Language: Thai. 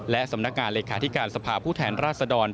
และสำนักงานเลขาธิการสภาพผู้แทนราชดร